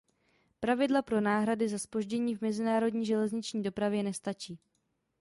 Pravidla pro náhrady za zpoždění v mezinárodní železniční dopravě nestačí.